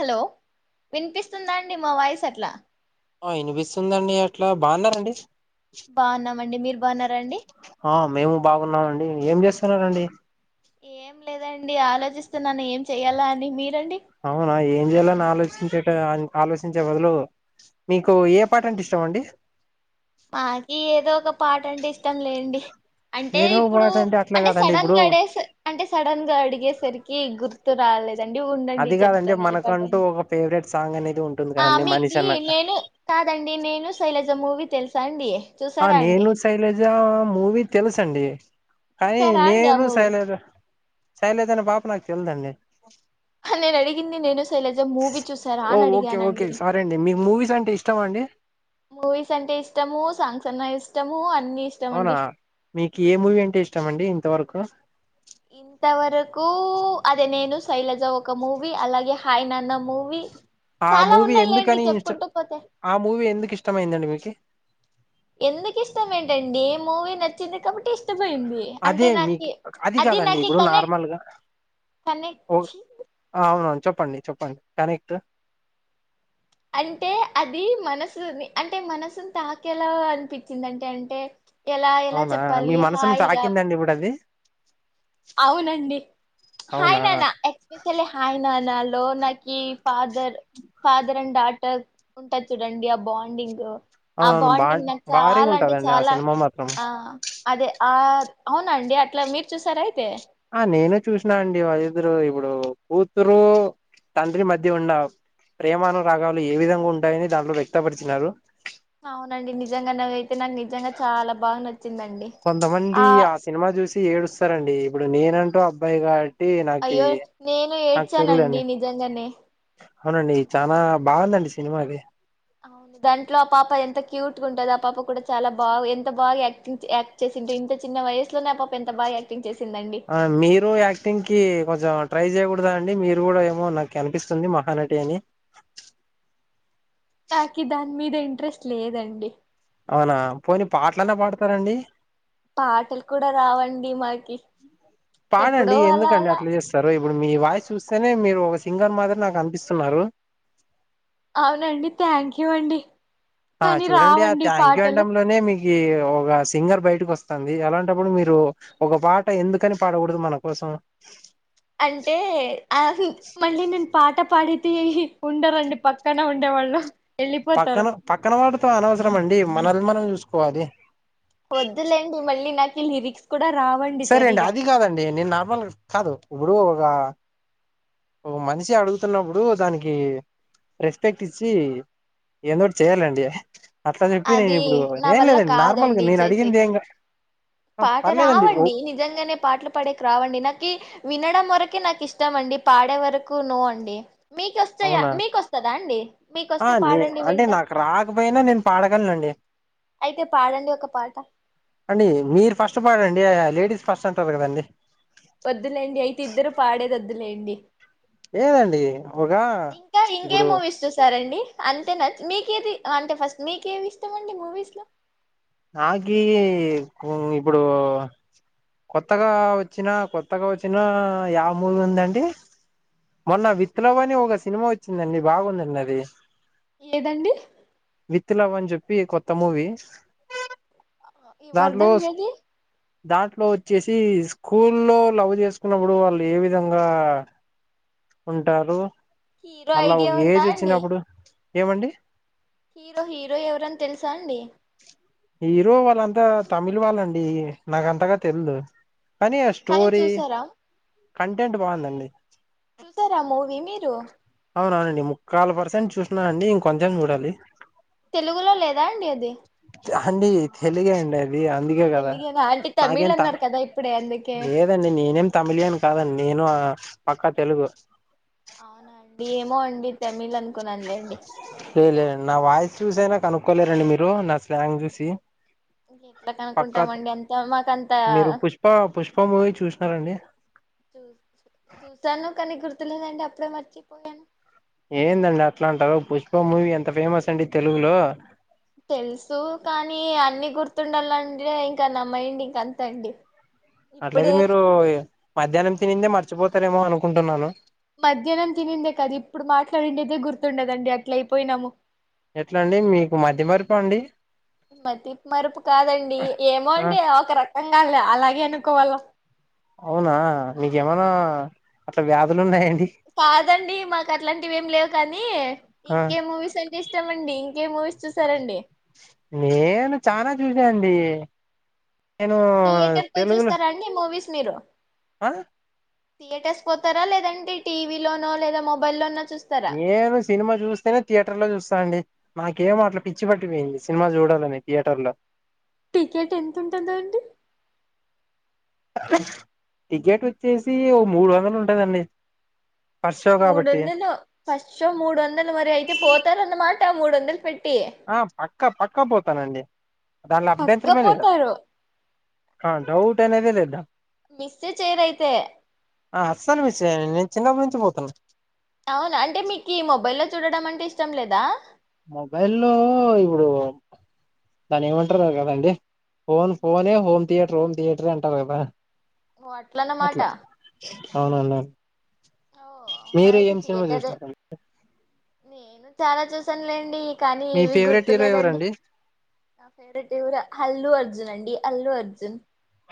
Hello వినిపిస్తుందా అండి మా వాయిస్ ఎట్లా ఆ వినిపిస్తుందండి అట్లా బాగున్నారండి బాగున్నామండి మీరు బాగున్నారండి ఆ మేము బాగున్నామండి ఏం చేస్త సనారండి ఏం లేదండి ఆలోచిస్తున్నాను ఏం చెయాలా అని మీ అవునా ఏం చేయాలని ఆలోచించే ఆలోచించే బదులు మీకు ఏ పాట అంటే ఇష్టం అండి మాకి ఏదో ఒక పాట అంటే ఇష్టం లేండి అంటే ఏదో ఒక ఇప్పుడు పాట అట్లా అంటే కాదండి సడన్ ఇప్పుడు గా అడే అంటే సడన్ గా అడిగేసరికి గుర్తు రాలదు అది కాదండి మనకంటూ ఒక ఫేవరెట్ సాంగ్ అనీ ఆ మీకు నేను కాదండి నేను శైలజ మూవీ తెలుసాండి ఆ నేను శైలజ మూవీ త తెలుసు అండి కానీ చూసారా అండి ఆ నేను మూవీ శైలజ శైలేజ అనే పాప నాకు తెలియదండి శైలేజ మూవీ చూసారా ఓ అని ఓకే ఓకే అడిగానండి సారీ అండి మీకు మూవీస్ అంటే ఇష్టమా అండి మూవీస్ అంటే ఇష్టము సాంగ్స్ అ ఇష్టము ఆన్ అవునా మీకి ఏ మూవీ అంటే ఇష్టం అండి ఇంతవరకు ఇంతవరకు అదే నేను శైలజ ఒక మూవీ అలాగే హాయ్ నాన్న మూవీ ఆ చాలా మూవీ ఉన్నాయిలేండి ఎందుకని ఇస్ చెప్పుకుంటూ పోతే ఆ మూవీ ఎందుకు ఇష్టమైందండి మీకి ఎందుకు ఇష్టం ఏంటండి ఏ మూవీ నచ్చింది కాబట్టి ఇష్టం అదే మీకి అది కాదండి నాకి ఇప్పుడు కనెక్ట్ నార్మల్గా కనెక్ట్ ఓ ఛీ! అవున చెప్పండి చెప్పండి కనెక్ట్ అంటే అది మనసుని అంటే మనసుని తాకేలా అనిపించింది అంటే అంటే ఎలా ఎలా అవునా చెప్పాలి మీ మనసును హాయిగా తాకిందండి ఇప్పుడు అది అవునండి హాయ్ అవునా నాన్న ఎక్స్పెషలీ హాయ్నాన్నలో నాకి ఫాదర్ ఫాదర్ అండ్ డా ఉంట చూడండి ఆ బాండింగ్ ఆ బా బాండింగ్ నాకు భారీగా చాలా అంటే ఉంటదండి ఆ చాలా సినిమా మాత్రం ఆ అదే ఆ అవునండి అట్లా మీరు చూసార అయితే [inaudible] ఆ నేనే చూసినా అండి వాళ్ళద్దరు ఇప్పుడు కూతురు తండ్రి మధ్య ఉన్న ప్రేమానురాగాలు ఏ విధంగా ఉంటాయని దాంట్లో వ్యక్తపరిచినారు అవునండి నిజం నాకైతే నాకు నిజంగా చాలా బాగు నచ్చం కొంతమంది ఆ సినిమా చూసి ఏడుస్తారండి ఇప్పుడు నేనంటూ అబ్బాయిగా అయ్యో నేను ఏడ్చానండి తెలిదండి నిజంగానే అవునండి చాలా బాగుందండి సినిమకి అవును దాంట్లో ఆ పాప ఎంత క్యూట్ గా ఉంటది ఆ పాప కూడా చాలా బాగా ఎంత బాగా యాక్టింగ్ యాక్ట్ చేసింటే ఇంత చిన్న వయసులోనే ఆ పాప ఎంత బాగా యాక్టింగ్ చేసి ఆ మీరు యాక్టింగ్ కి కొంచెం ట్రై చేయకూద చదా అండి మీరు కూడా ఏమో నాకు కనిపిస్తుంది మహానటి అని తాకిదాని మీద ఇంట్రెస్ట్ లేదండి అవునా పోనీ ఆ పాటలన్నా పాడతారండి పాటలు కూడా రావండి మాకి ఎప్పుడో పానండి అలా ఎందుకండి అలా అట్లా చేస్తారు ఇప్పుడు మీ వాయిస్ చూస్తేనే మీరు ఒక సింగర్ మాదిరి నాకు అనిపిస్తున్నారు అవునండి థ్యాంక్ యూ అండి ఆ కానీ చూడండి ఆ రావండి థ్యాంక్ యూ పాటలు అడంలోనే మీ ఏ ఒక సింగర్ బయటకి వస్తంది అలాంటప్పుడు మీరు ఒక పాట ఎందుకని పాడకూడదు మన కోసం అంటే ఆదసాలు మళ్ళీ నేను పాట పాడితే ఉండరండి పక్కన ఉండేవాళ్ళు వెళ్ళిపోతారు పక్కన పక్కన వాడు తో అనవసరం అండి మనల్ని మనం చూసుకోవాలి ఈ లిరిక్స్ కూడా రావండి సరే అండి సరిగా అది కాదండి నేను నార్మల్ కాదు ఇబుడు ఒగా ఓ మనిషి అడుగుతున్నప్పుడు దానికి రెస్పెక్ట్ ఇచ్చి ఏందోటి చేయాలండి అట్లా చెప్పి నేను అది ఇప్పుడు నా ఏం వల్ల లేదండి నార్మల్గా కాదండి నేను అడిగింది చేసేకి ఏంకా పాట రావండి నిజంగానే పాటలు పాడేకి రావండి నాకి వినడం వరకే నాకు ఇష్టం అండి పాడే వరకు నో అండి మీక వస్తేయా అవునా మీకొస్తుందా అండి ఆ మీకొస్తే నే పాడండి అంటే వింట నాకు రాకపోయినా నేను పాడగలనండి అయితే పాడండి ఒక పాట అండి మీరు ఫస్ట్ పాడండి లేడీస్ ఫస్ట్ అంటారు కదండి వద్దులేండి అయితే ఇద్దరు పాడేది వద్దలేండి ఏదండి ఒక ఇప్పుడు అంతే నచ్చ మీకేది అంటే ఫస్ట్ మీకేది ఇష్టం అండి మూవీస్ లో నాక ఇప్పుడు కొత్తగా వచ్చినా కొత్తగా వచ్చినా యా మూవీ ఉందండి మొన్న విత్లవ్ అని ఒక సినిమా వచ్చిందండి బాగుందండి అది ఏదండి విత్లవ్ అని చెప్పి కొత్త మూవీ ఈ దాంట్లో వర్ధన్ జది దాంట్లో వచ్చేసి స్కూల్లో లవ్ చేసుకున్నప్పుడు వాళ్ళు ఏ విధంగా ఉంటారు హీరో మళ్ళా ఒక ఐడియా ఉందా ఏజ్ అండి వచ్చినప్పుడు ఏమండి హీరో హీరో ఎవరని తెలుసా అండి హీరో వాళ్ళంతా తమిళ్ వాళ్ళండి నాకంతగా తెలిదు కానీ ఆ స్టోరి కంటెంట్ బాగుందండి చూసార మూవి మీరు టు అవునవునండి ముక్కాల్ పర్సెంట్ చూసినాను అండి ఇంకొంచెం చూడాలి తెలుగులో లేదా అండి అది అండీ తెలుగే అండి అది అది అందుకే కదా తెలుగేనా అంటే తమిళ్ నాకేం త అన్నారు కదా ఇప్పుడే అందుకే లేదండి నేనేం తమిలియన్ కాదండి నేను పక్కా తెలుగు అవునా అండి ఏమో అండి తమిళ్ అనుకున్నానులేండి లే లే నా వాయిస్ చూసైనా కనుక్కోలేరండి మీరు నా స్లాంగ్ చూసి ఎట్లా పక్కా కనుక్కుంటామండి అంత మాకంత మీరు పుష్ప పుష్ప మూవీ చూసినారండి చూ చూసాను కానీ గుర్ గుర్తులేదండీ అప్పుడే మర్చిపోయాను ఏందండి అట్లాంటారు పుష్ప మూవీ ఎంత ఫేమస్ అండి తెలుగులో తెలుసు కానీ అన్ని గుర్తుండాలంటే ఇంక నా మైండ్ ఇంకంతే అండి అట్లా అయితే ఇప్పుడే మీరు మధ్యాహ్నం తినిందే మర్చిపోతారేమో అనుకుంటున్నాను మధ్యాహ్నం తినిందే కదా ఇప్పుడు మాట్లాడిండేదే గుర్తుండదండి అట్ల అయిపోయినాము ఎట్ల అండి మీకు మతి మరుపాఅండి మతి మరుపు కాదండి ఏమో ఆ అండి ఒక రక అర్ధం కాదులే అలాగే అనుకోవాల అవునా నీకేమన్నా అట్లా వ్యాధులు ఉన్నాయ కాదండి మాకు అట్లాంటివి ఏం లేవు కానీ ఆ ఇంకేం మూవీస్ అంటే ఇష్టమండి ఇంకేం మూవీస్ చూసారండి నేను చానా చూసాండి నేను థియేటర్ పోయి తెలుగులో చూస్తారా అండి మూవీస్ మీరు ఆ థియేటర్స్ పోతారా లేదంటే టీవీ లోనో లేదా మొబైల్ లోనో నేను సినిమా చూస్తేనే థియేటర్ లో చూస్తా అండి నాకేమో అట్ల పిచ్చి పట్టిపోయింది సినిమా చూడాలని థియేటర్ లో టికెట్ ఎంత ఉంటది అండి టికెట్ వచ్చేసి ఓ మూడు వందలు ఉంటాదండి మూడు వందలు ఫస్ట్ షో మూడు వందలు మరి అయితే పోతారన్నమాట మూడు వందల పెట్టి ఆ పక్కా పక్కా పోతానండి దానిలో పక్క అభ్యంతరమే లేదు పోతారు ఆ డౌట్ అనేదే లేదు దాం మిస్సే చేయరైతే అస్సను విషయం చిన్నప్ప నుంచి పోతున్నా అవునా అంటే మీకు ఈ మొబైల్ లో చూడడం అంటే ఇష్టం లేదా మొబైల్లో ఇప్పుడు దాని ఏమంటారు కదండి ఫోన్ ఫోనే హోమ్ థియేటర్ హోమ్ థియేటర్ అంటారు కదా ఓ అట్లన్న మాట అవునన్నా అవునా మీరు అయితే ఏం సినిమా థియేటరే చూసినారండి నేను చాలా చూసానులేండి కానీ మీ ఏవి ఫేవరెట్ హీరో గుర్తులేదండి. ఎవరండి నా ఫేవరెట్ హల్లు అర్జున్ అండి అల్లు అర్జున్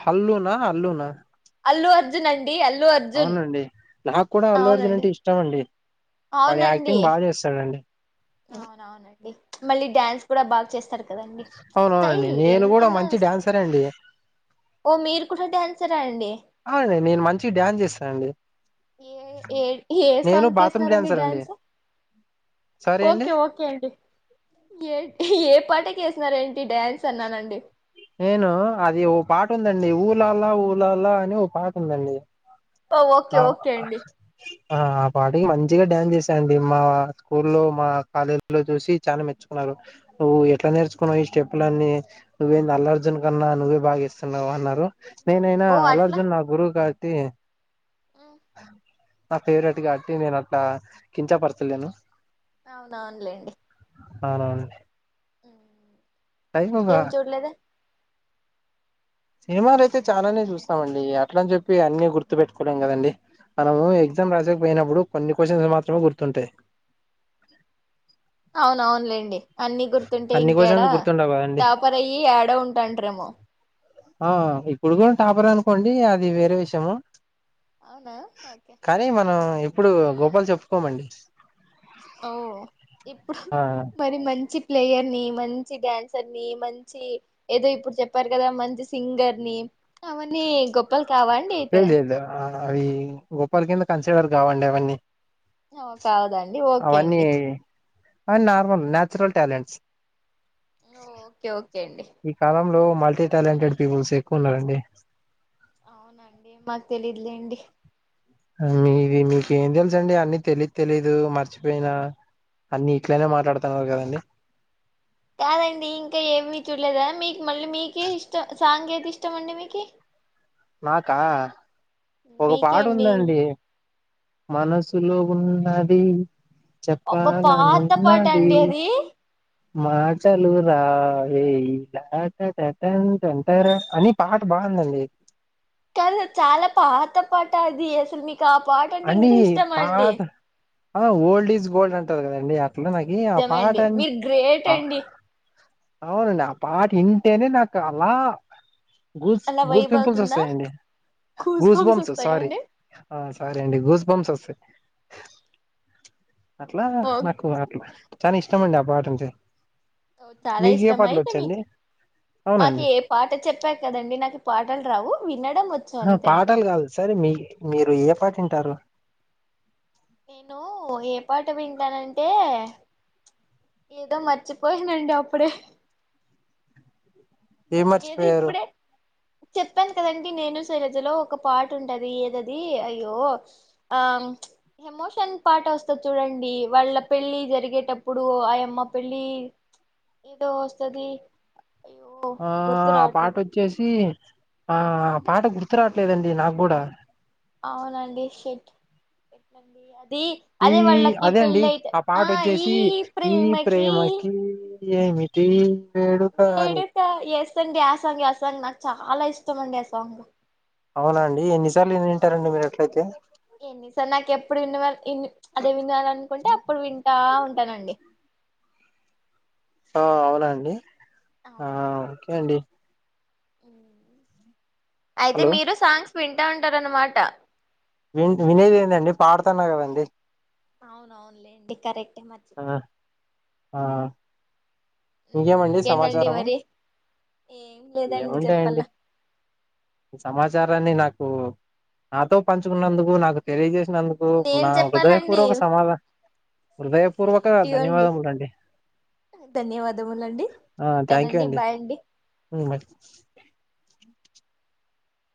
హల్లునా అల్లునా అల్లు అర్జున్ అం అవునండి నాకు కూడా అల్లు అర్జున్ అవునండి అంటే ఇష్టం అండి వాడు అవునండి యాక్టింగ్ బాగా చేస్తాడండి అవునవునండి మళ్ళీ డ్యాన్స్ కూడా బాగా చేస్తారు కదండి అవునవునండి స్టైల్ నేను కూడా ఎంతైనా మంచి స్టైల్ డ్యాన్సర్ అండి ఓ మీరు కూడా డ్యాన్సరా అండి అవునండి నేను మంచి డ్యాన్స్ చేస్తానండి ఏ ఏ ఏ నేను సాంగ్ కి బాత్రూమ్ ఏస్తారండి డాన్సర్ అండి డ్యాన్సు సరే అండి ఓకే ఓకే అండి ఏ ఏ పా ట కేసినారెంటి డ్యాన్స్ అన్నానండి నేను అది ఓ పాట ఉందండి ఊలాల ఊలాలా అని ఓ పాట ఉందండి ఓ ఓకే ఆ ఓకే అండి ఆ ఆ పాటకి మంచిగా డ్యాన్స్ చేశానండి. మా స్కూల్లో, మా కాలేజీ లో చూసి చాలా మెచ్చుకున్నారు. నువ్వు ఎట్లా నేర్చుకున్నావు ఈ స్టెప్లన్నీ నువ్వేం అల్లు అర్జున్ కన్నా నువ్వే బాగేస్తున్నావ్ అన్నారు ఏమైనా ఓ అల్లు అట్లా అర్జున్ నా గురువు కా తే ఉమ్, నా ఫేవరెట్ కాట్టి నేను అట్లా కించపరచలేను అవునవునులేండి అవునవునండి ఉమ్. లైఫ్ ఒక ఇంకేం చూడలేదు అండి సినిమాలు అయితే చాలానే చూస్తామండి. అట్ల అని చెప్పి అన్ని గుర్తు పెట్టుకోలేం కదండి. మనము ఎగ్జామ్ రాసేకిపోయినప్పుడు కొన్ని క్వశ్చన్స్ మాత్రమే గుర్తుంటాయి అవునవునులేండి అన్ని గుర్తుంటే అన్ని క్వశ్చన్స్ ఇంకాడా గుర్తుండవు కదండి టాపర్ అయి యాడో ఉంటాండ్రెమో ఆ ఇప్పుడు కూడా టాపర్ అనుకోండి అది వేరే విషయము అవునా ఓకే ఇప్పుడు గొప్పల్ చెప్పుకోమండి ఓ ఇప్పుడు ఆ మరి మంచి ప్లేయర్ ని మంచి డ్యాన్సర్ ని మంచి ఏదో ఇప్పుడు చెప్పారు కదా మంచి సింగర్ ని అవన్నీ గొప్పలు కావండి అయితే లేదు లేదు ఆ, అవి గొప్పల్ కింద కన్సిడర్ కావండి అవన్నీ కాదండి ఓకే అండి అ normal natural talents okay okay అండి ఈ కాలంలో మల్టీ టాలెంటెడ్ పీపుల్స్ ఎక్కువ ఉన్నారండి అవునండి మాకు తెలీదులేండి మీది మీకు ఏం తెలుస అండి అన్ని తెలిదు తెలీదు మర్చిపోయిన అన్ని ఇట్లనే మాట్లాడుతున్నారు కదండి కాదండి ఇంకా ఏమి చూడలేదా మీకు మళ్ళీ మీకే ఇష్టం సాంగ్ ఏది ఇష్టం అండి మీకి నాకా ఒక మీకే పాట అండి ఉందండి మనసులో ఉన్నది అబ్బా చెప్పాలను పాత పాట ఉన్నది అండి అది మాటలు రా ఏ ఇలా అంత అని పట బాందంది [unintelligible] కాదు చాలా పాత పాట అది అసలు మీకు ఆ పాట అంటే అంీ ఇంకా ఇష్టం అండి పాత ఓల్డ్ ఈస్ గోల్డ్ అంట డి ఇల నాకి ఆ నిజమే పాట అండి మీరు గ్రేట్ అండి అవునండి ఆ పాట ఇన్ తేనే నాక అలా [unintelligible] గూల్స్ అలా గూల్స్ వైబ్ పింపుల్స్ అవుతుందా వస్తాయండి కూస్ గూస్ బంప్స్ వస్తాయా సారీ అండి అండి గూస్ బంప్స్ వస్తాయి అట్లా ఓ నాకు అట్లా చాలా ఇష్టమండి ఆ పాటంటే చాలా ఇష్టం అయితే మీకు మాకు అవునండి ఏ పాట చెప్పా కదండి నాకు పాటలు రావు విన్న ఆ పాటలు కాదు సరే మీ మీరు ఏ పాట వింటారు నేను ఏ పాట వింటానంటే ఏదో మర్చిపోయానండి అప్పుడే ఏం ఏదో మర్చిపోయారు ఇప్పుడే చెప్పాను కదండి నేను శైలజలో ఒక పాట ఉంటది ఏదది అయ్యో ఆ ఎమోషన్ పాట వస్తది చూడండి వాళ్ళ పెళ్ళి జరిగేటప్పుడు అయమ్మ పెళ్ళి ఏదో వస్తుది అయ్యో ఆ గుర్తు ఆ పాట రావట్లేదే వచ్చేసి ఆ ఆ పాట గుర్తురాట్ల లేదండి నాకు కూడా అవునండి షిట్ ఈ అదే అండి ఆ పాట వచ్చేసి ఈ ప్రేమకి ఎమిటి వేడుక అని ఇండి ఆ సాంగ్ ఆసంగ్ నాకు చాలా ఇష్టంమండి ఆ సాంగ్ అవునా అండి ఎన్నిసార్లు వినింటారండి మీరు అట్లయితే ఏన్ని సార్ నాకు ఎప్పుడు వినవాల అదే వినాలనుకుంటే అప్పుడు వింటా ఉంటానండి ఆ అవునా అండి ఆ ఓకే అండి మ్ అయితే హలో మీరు సాంగ్స్ విం వింటా ఉంటార అన్నమాట వి వినేది ఏందండి పాడుతున్నా కదండి అవునవునులేండి కరెక్ట్ ఆ ఆ ఉమ్, ఇంకేమండి ఇంకేంటండి సమాచారము మరి ఏం లేదండి చెప్పాల ఏముంటాయండి సమాచ చారాన్ని నాకు నాతో పంచుకున్నందుకు నాకు తెలిజే నందుకు నేను నా చెప్పాలండి హృదయపూర్వక సమాధా సేమ్ హృదయపూర్వక టు యూ అండి ధన్యవాదములండి. ధన్యవాదములండి ఆ థ్యాంక్ యూ ఉంటానండి బాయ్ అండి ఉమ్,